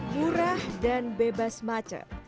murah dan bebas macam